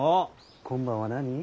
今晩は何！？